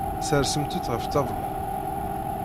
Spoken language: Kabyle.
Sersemt-tt ɣef ṭṭabla.